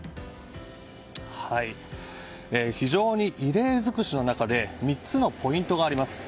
非常に異例尽くしの中で３つのポイントがあります。